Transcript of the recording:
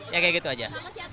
ya kayak gitu aja